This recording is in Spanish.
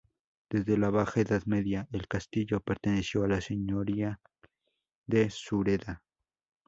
Desde la baja Edad Media, el castillo perteneció a la señoría de Sureda.